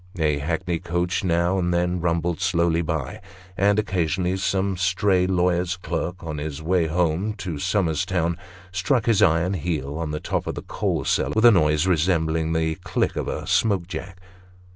A hackney coach now and then rumbled slowly by ; and occasionally some stray lawyer's clerk, on his way home to Somers Town, struck his iron heel on the top of the coal cellar with a noise resembling the click of a smoke jack.